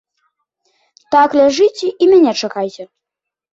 Так ляжыце і мяне чакайце.